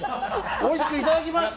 おいしくいただきました